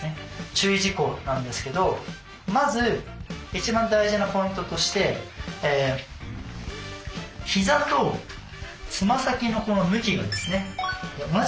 注意事項なんですけどまず一番大事なポイントとしてひざとつま先のこの向きがですね